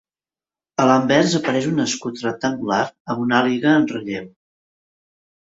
A l'anvers apareix un escut rectangular amb una àliga en relleu.